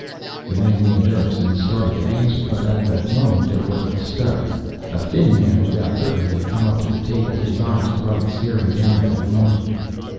The man named Erickson started to answer, but at that moment there was a stir. A thin man of about thirty had come up to the table, his eyes bright, staring down at them warmly.